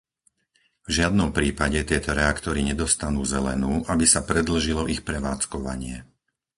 V žiadnom prípade tieto reaktory nedostanú zelenú, aby sa predĺžilo ich prevádzkovanie.